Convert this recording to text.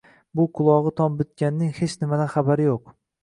Bu qulog`i tom bitganning hech nimadan xabari yo`q